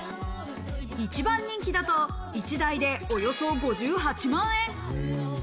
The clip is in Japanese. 一番人気だと１台でおよそ５８万円。